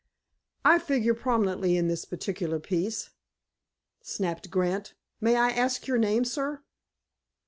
"I figure prominently in this particular 'piece,'" snapped Grant. "May I ask your name, sir?"